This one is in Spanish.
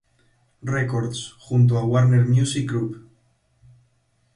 Records, junto a Warner Music Group.